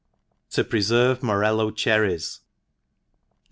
7o preferve Morello Chekries* GET.